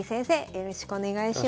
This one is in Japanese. よろしくお願いします。